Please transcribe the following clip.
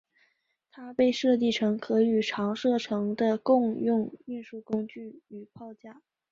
它被设计成可与长射程的共用运输工具与炮架。